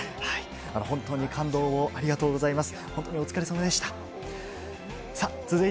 本当に感動をありがとうございます。